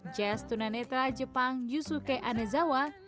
jazz tunanetra jepang yusuke anezawa